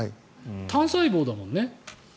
単細胞だもんね。